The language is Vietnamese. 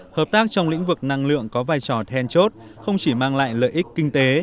hợp tác trong lĩnh vực năng lượng có vai trò then chốt không chỉ mang lại lợi ích kinh tế